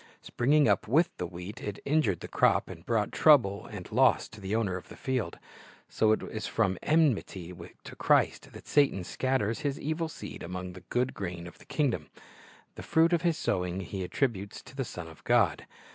Springing up with the wheat, it injured the crop, and brought trouble and loss to the owner of the field. So it is from enmity to Christ that Satan scatters his evil seed among the good grain of the kingdom. The fruit of his sowing he attributes to the. Son of God.